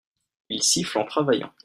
il siffle en travaillant.